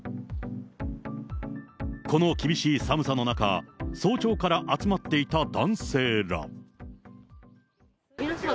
この厳しい寒さの中、早朝から集まっていた男性ら。